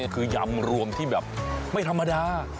คือยำรวมที่แบบไม่ธรรมดา